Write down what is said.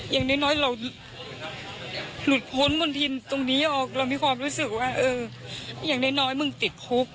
อย่างน้อยเราหลุดพ้นมณฑินตรงนี้ออกเรามีความรู้สึกว่าเอออย่างน้อยมึงติดคุก